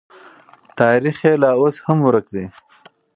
تاریخ یې لا اوس هم ورک دی.